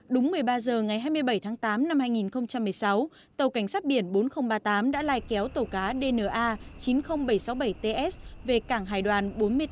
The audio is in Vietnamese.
đúng một mươi ba h ngày hai mươi bảy tháng tám năm hai nghìn một mươi sáu tàu cảnh sát biển bốn nghìn ba mươi tám đã lai kéo tàu cá dna chín mươi nghìn bảy trăm sáu mươi bảy ts về cảng hải đoàn bốn mươi tám